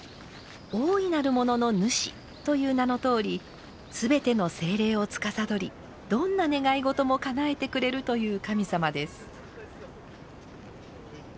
大いなる物の主という名のとおりすべての精霊をつかさどりどんな願い事もかなえてくれるという神様です。